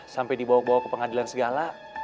sampai dibawa bawa ke pengadilan segala